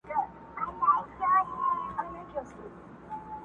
ځان دي هسي کړ ستومان په منډه منډه.!